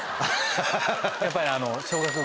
やっぱり。